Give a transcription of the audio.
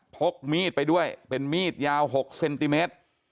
พกมีดไปด้วยเป็นมีดยาว๖เซนติเมตร